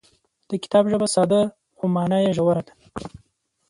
د کتاب ژبه ساده خو مانا یې ژوره ده.